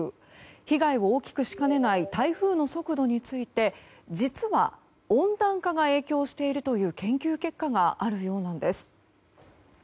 被害を大きくしかねない台風の速度について実は、温暖化が影響しているという研究結果があるようなんです。